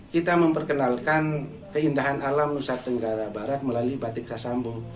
kita memperkenalkan keindahan alam nusa tenggara barat melalui batik sasambu